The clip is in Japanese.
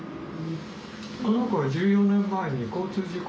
この子は１４年前に交通事故に遭って。